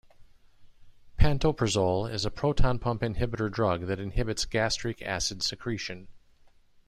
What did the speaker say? Pantoprazole is a proton pump inhibitor drug that inhibits gastric acid secretion.